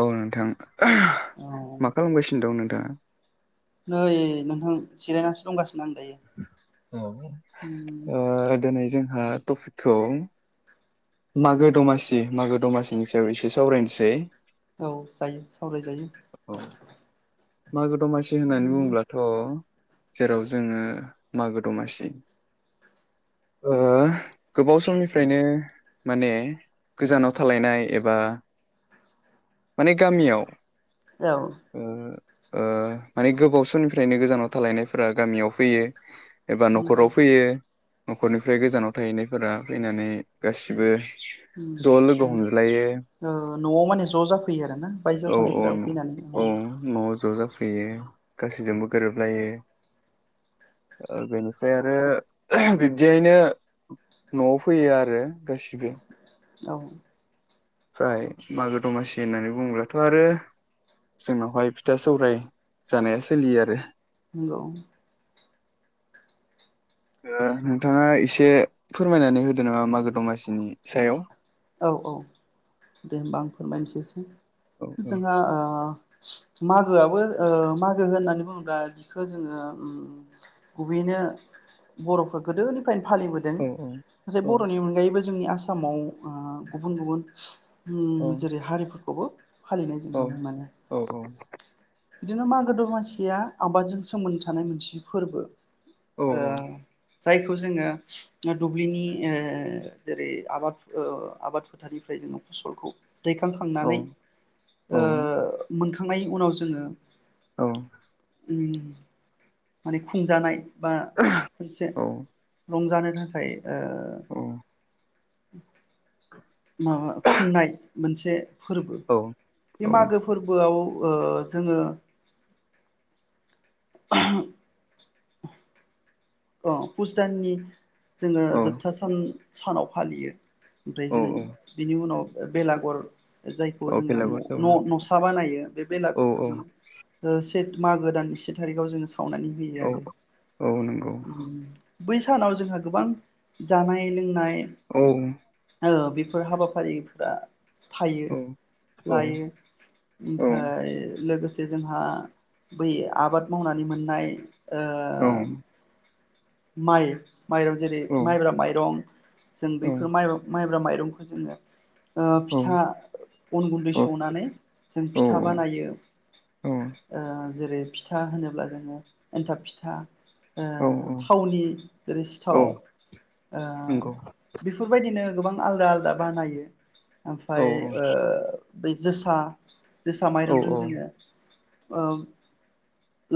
औ नोंथां औ मा खालामगासिनो दं नोंथाङा? नै नोंथां जिरायनासो दंगासिनो। आं दायो अ ओ दिनै जों ओ टपिकखौ मागो दमासि मागो दमासिनि सायाव एसे सावरायनोसै। औ जायो। सावरायजायो औ मागो दमासि होननानै बुङोब्लाथ जेराव जोङो मागो दमासि ओ गोबाव समनिफ्रायनो माने गोजानाव थालायनाय एबा माने गामियाव औ ओ ओ माने गोबाव समनिफ्रायनो गोजानाव थालायनायफोरा गामियाव फैयो एबा न'खराव फैयो। न'खरनिफ्राय गोजानाव थाहैनायफोरा फैनानै गासिबो अम ज' लोगो अम हमज्लायो ओ न'आव माने ज'जाफैयो आरोना बायजो औ औ औ न'आव ज'जा फैयो गासैजोंबो गोरोबलायो ओ बेनिफ्राय आरो बिब्दियैनो न'आव फैयो आरो गासिबो। औ। ओमफ्राय मागो दमासि होननानै बुङोब्लाथ' आरो जोंनावहाय फिथा सौराय जानाया सोलियो आरो। नोंगौ ओ नोंथाङा एसे फोरमायनानै होदो नामा मागो दमासिनि सायाव औ औ दे होमबा आं फोरमायनोसै एसे औ औ जोंहा ओ मागोआबो ओ मागो होननानै बुङोब्ला बिखौ जोङो ओम गुबैयैनो बर'फोर गोदोनि गोदायनिफ्रायनो फालिबोदों औ नाथाय औ बर'नि अनगायैबो जोंनि आसामाव ओ गुबुन-गुबुन औ अम जेरै हारि खौबो फालिनाय जों नुनो मोनो औ औ बिदिनो मागो दमासिया आबादजों सोमोन्दो थानाय मोनसे फोरबो औ ओ जायखौ जोङो ओ दुब्लिनि ओ जेरै आबाद ओ आबाद फोथारनिफ्राय जोङो फसलखौ औ दैखांखांनानै औ ओ मोन थांनाय उनाव जोङो औ अम माने खुंजानाय बा मोनसे रंजानो थाखाय ओ औ [inaudible] माबा खुंनाय मोनसे फोरबो औ बे मागो फोरबोआव ओ जोङो [inaudible] अ फुस दाननि जोङो औ जोबथा सान सानाव फालियो ओमफ्राय औ जों बिनि उनाव ओ बेलागुर जायखौ औ जोङो बेलागुर न सावो न नसा बानायो बे औ बेलागुरखौ जोङो ओ सि जेत मागो दाननि से थारिखाव जोङो सावनानै होयो औ आरो औ नंगौ उम बै सानाव जोंहा गोबां जानाय लोंनाय औ बेफोर बेफोर हाबाफारिफोरा थायो औ औ लायो औ ओमफ्राय लोगोसे जोंहा बै आबाद मावनानै मोननाय औ ओह माइ माइरं जेरै औ औ नंगौ औ माइब्रा माइरं जों बैफोर माइरं माइब्रा माइरं दुमखौ जोङो ओ फिथा अन गुन्दै सौनानै जों उम फिथा बानायो ओ जेरै फिथा होनोब्ला जोङो एनथाब फिथा औ उम औ ओह थावनि जेरै औ सिथाव औ ओ नंगौ बेफोरबायदिनो गोबां आलदा आलादा बानायो ओमफ्राय औ ओ बै जोसा जोसा माइरंजों जोङो ओम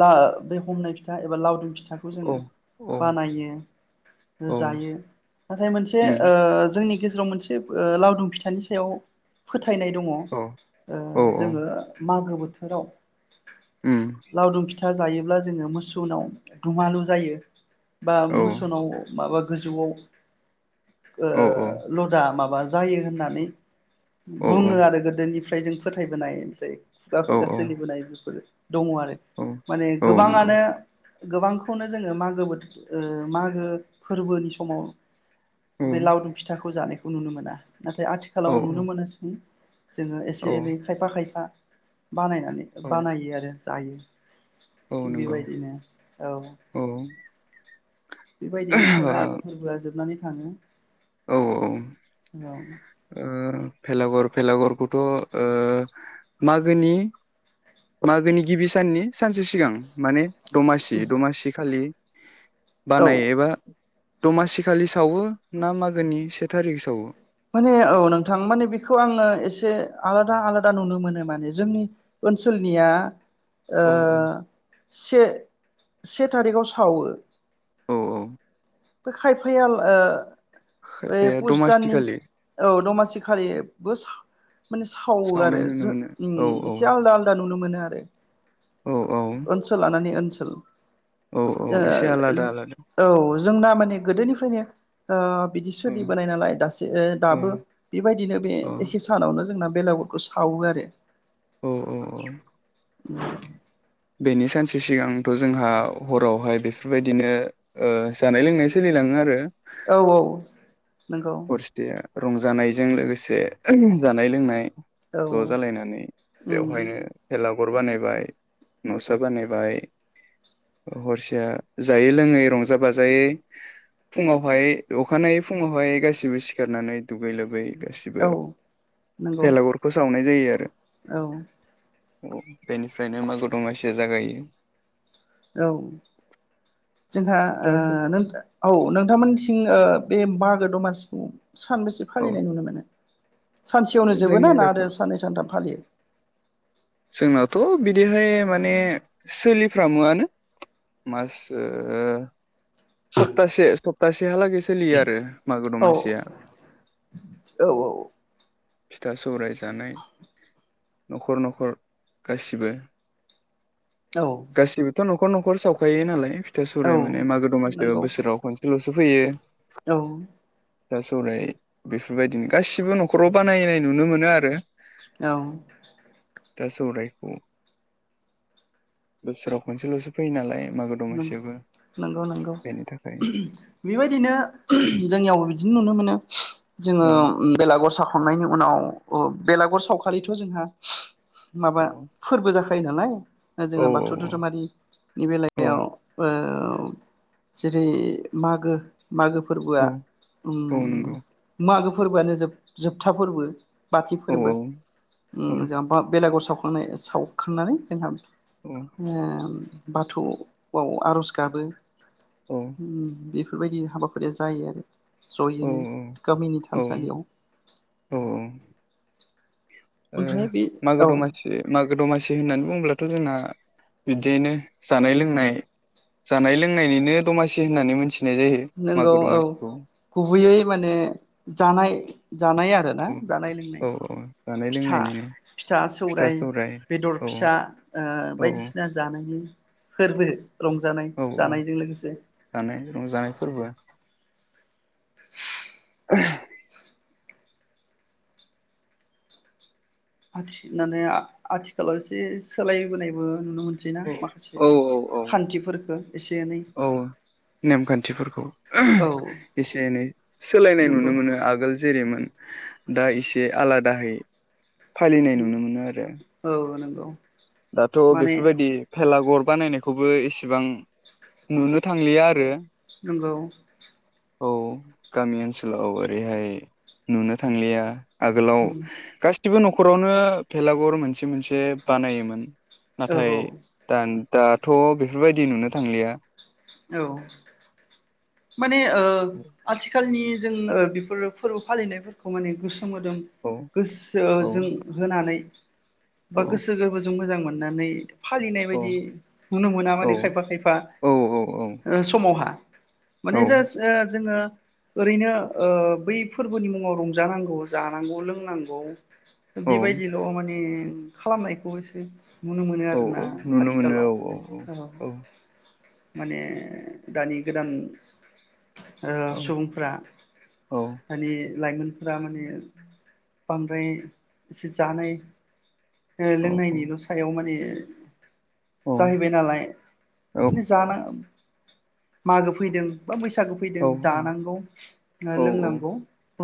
ला बे हमनाय फिथा एबा लावदुम फिथा फिथाखौ जोङो बानायो जायो नाथाय मोनसे ओ जोंनि गेजेराव मोनसे ओ लावदुम फिथानि सायाव फोथा फोथायनाय दङ ओ जोङो मा मागो बोथोराव लावदुम फि फिथा जायोब्ला जोङो मोसौनाव दुमालु जायो। बा मोसोवनाव माबा गोजौआव ओ लदा माबा जायो होननानै बुङो आरो गोदोनि ओमफ्राय जों फोथायबोनाय जायो। खुगा खुगा सोलिबोनाय बेफोरो दङ आरो माने गोबाङानो गोबांखौनो जोङो मागो बोथोर औ मागो फोरबोनि समाव बे लावदुम फिथाखौ जानायखौ खौ नुनो मोना। नाथाय आथिखालाव नुनो मोनोसै जोङो एसे औ एनै खायफा खायफा बानायनानै औ बानायो आरो जायो। औ थिग नंगौ बेबायदिनो औ बेबायदिनो ओमफ्राय मागो फोरबोआ जोबनानै थाङो। औ औ [unintelligible] औ भेलागर भेलागरखौथ' औ मागोनि मागोनि गिबि साननि सानसे सिगां माने दमासि दमासि खालि औ बानायो एबा दमासिखालि सावो ना मागोनि से थारिख सावो? माने औ नोंथां माने बेखौ आङो एसे आलादा आलादा नुनो मोनो माने जोंनि ओनसोलनिया [inaudible] औ औ [unintelligible] से से थारिखाव सावो। औ औ। बे खायफाया ओ बे खायफाया पुस दाननि दमासिखालि औ दमासि खालिबो माने सावो आरो सावनाय नुनो मोनो औ औ एसे आलदा आलदा नुनो मोनो। आरो औ औ ओनसोल लानानै ओनसोल सोल औ औ एसे आलादा आलादा ओ जो औ। जोंना माने गोदोनिफ्रायनो ओ बिदि औ सोलिबोनाय नालाय दासो औ दाबो बेबायदिनो बे एखे सानावनो जोंना बेलागुरखौ सावो आरो। औ औ औ। [inaudible] बेनि सानसे सिगांथ' जोंहा हरावहाय बेफोरबायदिनो ओ जानाय लोंनाय सोलिलाङो आरो। औ औ। नंगौ हरसेया। रंजानायजों लोगोसे जानाय लोंनाय औ ज' जालायनानै उम बेवहायनो मेला गुर बानायबाय नसा बानायबाय हरसे जायै लोङै रंजा बाजायै फुङावहाय अखानायै फुङावहाय गासैबो सिखारनानै दुगै लोबै गासिबो औ नंगौ भेलागुरखौ सावनाय जायो आरो। औ। औ बेनिफ्रायनो मागो दमासिया जागायो। जों ओ नों औ नों नोंथांमोनथिं बे मागो दमासिखौ सानबेसे औ फालिनाय नुनो मोनो? सानसेयावनो जोबोना जोंनि जाथ' आरो साननै सानथाम फालियो? जोंनाथ' बिदिहाय माने सोलिफ्रामोआनो मास ओ सप्तासे सप्तासेहालागै सोलियो आरो। मागो औ दमासिया औ औ। फिथा सौराय जानाय न'खर न'खर गासिबो औ गासिबोथ' नख खर न'खर सावखायो नालाय औ सौराय माने मागो दमासि नंगौ बोसोराव खनसे सोल'सो फैयो औ। फिथा सौराय बेफोरबायदिनो गासिबो न'खराव बानायनाय नुनो मोनो आरो। औ। दा सौरायखौ बोसोराव खनसेल'सो फैयो नालाय। मागो दमासियावबो। [unintelligible] बेनि थाखाय बेबायदिनो [unintelligible] जोंनियाव बि। दिनो नुनो मोनो। जोङो औ बेलागुर साखांनायनि उनाव बेलागुर सावखालिथ जोंहा माबा औ फोरबो जाखो [inaudible] नालाय। औ जोंना बाथौ धोरोमारिनि बेलायाव औ बेयाव। जेरै मागो। मागो फोरबोआ औ औ नंगौ ओम मागो। बफोरबोआनो जोब जोबथा फोरबो। बाथि औ फोरबो औ ओम जा बेलागुर साव। सावखांनानै जोंहा। औ ओम। बाथौ। आव आरज गाबो। ओम औ बेफ- बेफोरबायदि हाबाफारिया जायो आरो। औ जयैनो गामिनि औ थानसालियाव औ ओ ओमफ्राय बे मागो औ दमासि मागो दमासि होननानै बुङोब्लाथ जोंना बिदियैनो जानाय लोंनाय जानाय लोंनायनिनो दमासि होननानै मोनथि नंगौ औ गुबैयै माने जानाय जानाय आरोना औ जानाय लोंनाय औ औ जानाय फिथा लोंनायनिनो फिथा सौराय बेदर औ फिसा औ बायदिसिना जानायनि फोरबो रंजानाय औ औ जानायजों लोगोसे जानाय रंजानाय फोरबो [inaudible] [unintelligible] [unintelligible] आथिखालाव एसे सोलायबोनायबो नुनो मोनसै ना माखासे औ औ खान्थिफोरखो एसे एनै खान्थिफोरखौ औ [unintelligible] एसे एनै सोलायनाय नुनो नंगौ मोनो आगोल- जेरैमोन दा एसे आलादाहै फालिनाय नुनो मोनो आरो। नंगौ औ दाथ माने बेफोरबायदि भेलागुर बानायनाय बे खौबो इसेबां नुनो थांलिया आरो नंगौ औ गामि ओनसोलाव ओरैहाय नुनो थांलिया आगोलाव गासै गासिबो न'खरावनो भेलागुर मोनसे मोनसे बा औ नाथाय दा दाथ' बेफोरबायदि नुनो थांलिया औ माने ओ आथिखालनि जों बेफोर फोरबो फालिनायफोरखौ माने गुस सो मोदोम औ गोसो औ जों होनानै बा औ गोसो गोरबोजों मोजां मोनो अननानै फालिनाय औ बायदि नुनो मोना औ माने खायफा खायफा औ ओ समावहा औ माने जास ओ जोङो। ओरैनो ओ बै फोरबोनि मुङाव रंजानांगौ जानांगौ लोंनांगौ। बेबायदिल' माने खालामनायखौ एसे नुनो मोनो औ आरोना औ नुनो मोनो आथिखालाव औ औ औ औ माने दानि गोदान ओ औ सुबुंफोरा औ माने लाइमोनफोरा माने बांद्राय एसे जानाय ओ औ औ लोंनायनिल' सायाव माने औ [inaudible] जाहैबाय नालाय माने जाना मागो फैदों बा बैसागो फैदों औ जानांगौ औ लोंनांगौ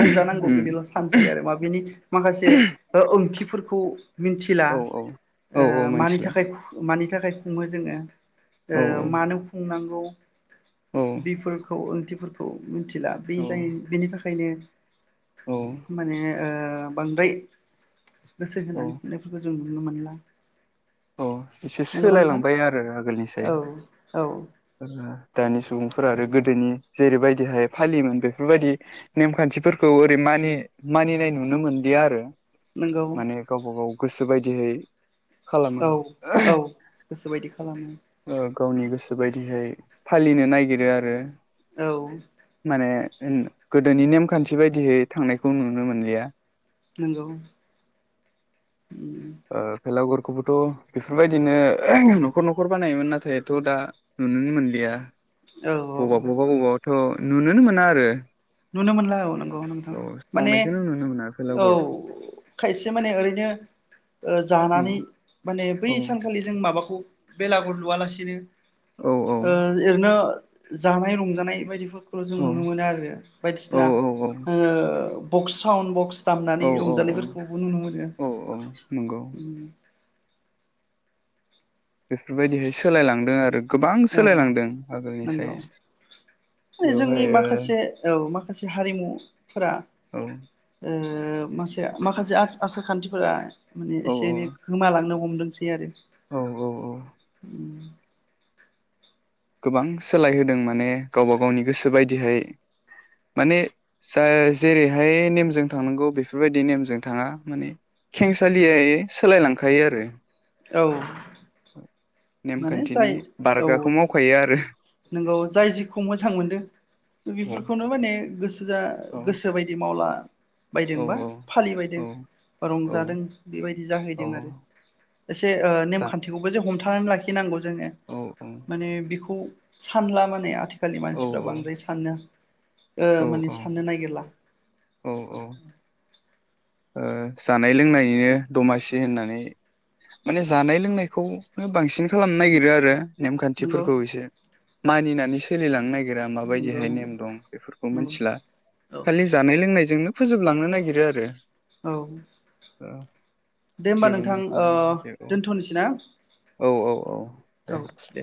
रंजानांगौ उम बिदिल' सान्सै आरो मा बिनि माखासे ओंथि फोरखौ मिनथिला औ औ औ ओ औ मानि मिथिला थाखाय खु मानि थाखाय खुङो जोङो औ ओ मानो खुंनांगौ औ बिफोरखौ ओंथिफोर औ मिनथिला बे औ जाय बेनि थाखा खायनो औ माने ओ [unintelligible] बांद्राय गोसो औ होनानै फरायनायफोरखौ जों जों नुनो मोनला। औ एसे नंगौना नोंथां सोलायलांबाय आरो आगोलनिसाय। औ औ दानि सुबुंफोर आरो गोदोनि जेरैबायदिहाय फालियोमोन बेफोरबायदि नेमखान्थिफोरखौ ओरै मानि मानिनाय नुनो मोनलिया आरो। नंगौ माने गावबा गाव गोसो बायदिहै खालामो। औ औ गोसोबायदि खालामो। ओ गावनि गोसो बायदिहाय फालिनो नागिरो आरो। औ ओन गोदोनि नेमखान्थि बायदिहै थांनायखौ नुनो मोनलिया। नंगौ ओ भेलागुर खौबोथ' बेफोरबायदिनो न'खर न'खर बानायोमोन नाथायथ' दा नुनोनो मोनलिया। औ अबा औ [unintelligible] थ' नुनोनो मोना आरो। नुनो मोनला अ नों नोंथां औ माने सावनायखौनो नुनो मोना औ भेलागुर खायसे माने ओरैनो ओ औ जानानै माने बै औ सानखालि जों माबाखौ बेलागुर लुवालासिनो औ ओ औ ओरैनो जानाय रंजानाय बायदिफोर खौ जों नुनो मोनो आरो। औ बायदिसिना ओ बक्स साउन बक्स औ दामनानै औ रंजानायफोरखौबो नुनो औ औ नंगौ मोनो। बेफोरबायदिहाय सोलायलांदों आरो। गोबां औ सोलायलांदों आगोलनिसाय नंगौ माने जोंनि बेवहाय माखासे औ माखासे हारिमु फोरा ओ ओ ओ मासे माखासे आस-आसार खान्थिफोरा माने औ एसे एनै गोमालांनो हम दोंसै आरो औ औ औ उम। गोबां सोलायहोदों माने गावबा गावनि गोसो बायदिहाय माने जा जेरैहाय नेमजों थांनांगौ बेफोरबायदि नेमजों थाङा माने खेंसालियायै सोलायलांखायो आरो। औ। माने जाय नेमखान्थिनि औ बारगाखौ मावखायो आरो। नोंगौ जाय जिखौ मोजां मोनदों औ बेफोरखौनो माने गोसो जा औ गोसो बायदि मावला बायदों बा औ फालि बायदों औ औ रंजादों बेबायदि औ जाहैदों आरो एसे दा नेमखान्थिखौबो जे हमथा थानानै लाखिनांगौ जोङो औ माने बिखौ सानला माने आथि आथिखालनि औ मानसिफ्रा बांद्राय सानो। औ माने साननो नागिरला। औ औ जानाय लोंनायनिनो दमासि होननानै माने जानाय लोंनायखौ बांसिन खालामनो नागिरो आरो। नंगौ नेमखान्थिफोरखौ एसे मानिनानै सोलिलांनो नागिर गिरा नंगौ माबायदिहाय नंगौ नेम दं बेफोरखौ नंगौ मिथिला औ खालि जानाय लोंनायजोंनो फोजोबलांनो नागिरो आरो। औ ओ दे होमबा जेबो नोंथां मिथिला ओ दोनथ'नोसै ना? औ औ औ। औ दे।